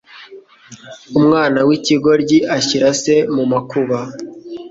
Umwana w’ikigoryi ashyira se mu makuba